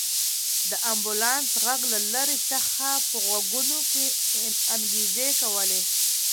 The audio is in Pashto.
د امبولانس غږ له لرې څخه په غوږونو کې انګازې کولې.